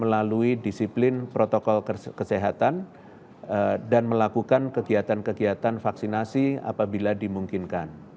melalui disiplin protokol kesehatan dan melakukan kegiatan kegiatan vaksinasi apabila dimungkinkan